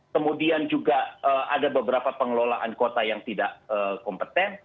kemudian juga ada beberapa pengelolaan kota yang tidak kompeten